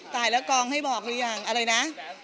ตายแล้วกองให้บอกหรือยังอะไรนะ